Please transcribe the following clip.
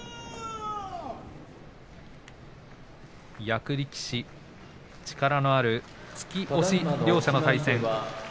役力士、力のある突き押し両者の対戦。